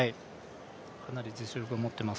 かなり実力を持っています